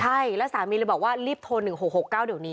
ใช่แล้วสามีเลยบอกว่ารีบโทร๑๖๖๙เดี๋ยวนี้